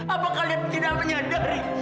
apa kalian tidak menyadari